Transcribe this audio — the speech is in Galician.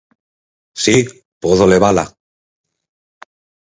Si, podo levala.